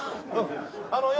あのよ